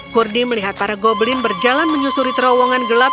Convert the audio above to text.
kurdi melihat para goblin berjalan menyusuri terowongan gelap